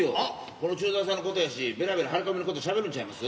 この駐在さんのことやしベラベラ張り込みのことしゃべるんちゃいます？